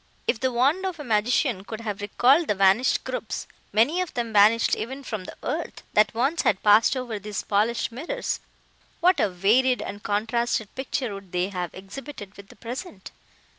If the wand of a magician could have recalled the vanished groups, many of them vanished even from the earth, that once had passed over these polished mirrors, what a varied and contrasted picture would they have exhibited with the present!